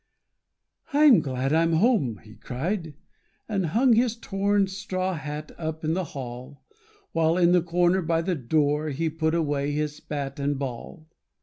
"I'm glad I'm home," he cried, and hung His torn straw hat up in the hall, While in the corner by the door He put away his bat and ball.